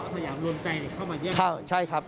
สยามรวมใจเข้ามาเยี่ยมใช่ครับ